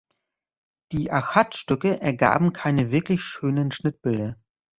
Die Achatstücke ergaben keine wirklich schönen Schnittbilder.